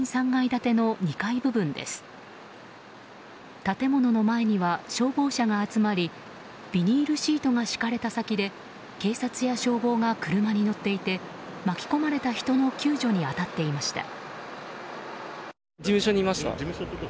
建物の前には消防車が集まりビニールシートが敷かれた先で警察や消防が、車に乗っていて巻き込まれた人の救助に当たっていました。